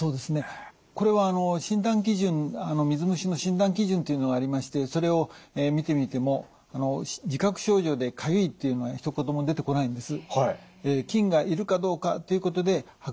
これは水虫の診断基準っていうのがありましてそれを見てみても自覚症状でかゆいっていうのはひと言も出てこないんです。